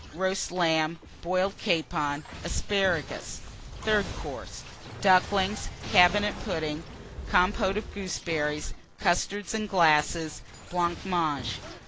Roast Lamb. Boiled Capon. Asparagus. THIRD COURSE. Ducklings. Cabinet Pudding. Compôte of Gooseberries. Custards in Glasses. Blancmange.